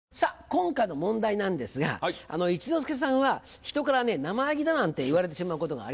今回の問題なんですが一之輔さんは人から「生意気だ」なんて言われてしまうことがありますよね。